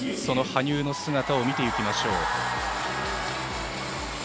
その羽生の姿を見ていきましょう。